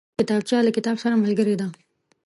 کتابچه له کتاب سره ملګرې ده